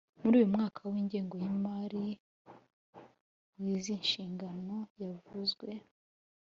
Muri uyu mwaka w ingengo y imari w izi nshingano zavuzwe